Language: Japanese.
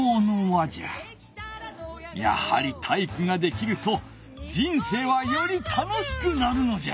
やはり体育ができると人生はより楽しくなるのじゃ！